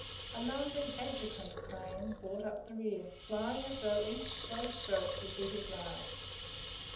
A lumbering Adjutant crane brought up the rear, flying as though each slow stroke would be his last.